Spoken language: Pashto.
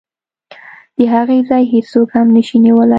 د هغې ځای هېڅوک هم نشي نیولی.